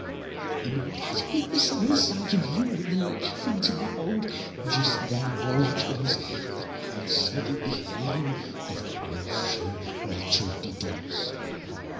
But it would ha split the seven sides of you wid the laffin' to behould, jist then all at once, the consated behavior of Mounseer Maiter di dauns.